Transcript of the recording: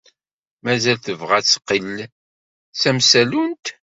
Mazal tebɣa ad teqqel d tamsallunt?